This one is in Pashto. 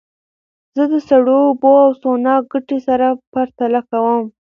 زه د سړو اوبو او سونا ګټې سره پرتله کوم.